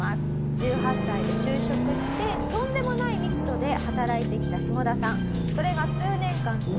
１８歳で就職してとんでもない密度で働いてきたシモダさん。